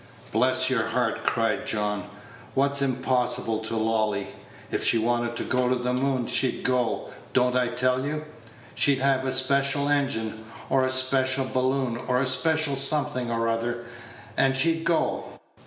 "Bless your heart!" cried John, "what's impossible to Lolly? If she wanted to go to the moon, she'd go, don't I tell you? She'd have a special engine, or a special balloon, or a special something or other, and she'd go.